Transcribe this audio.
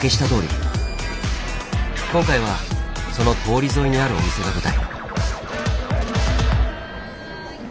今回はその通り沿いにあるお店が舞台。